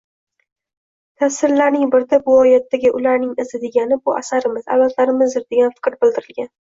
Tafsirlarning birida bu oyatdagi «ularning izi» degani – bu asarimiz, avlodlarimizdir, degan fikr bildirilgan